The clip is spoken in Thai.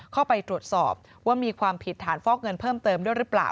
เข้าไปตรวจสอบว่ามีความผิดฐานฟอกเงินเพิ่มเติมด้วยหรือเปล่า